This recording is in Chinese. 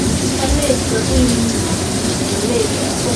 分类词不应与名词类别混淆。